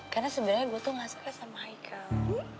karena sebenernya gue tuh gak suka sama haikal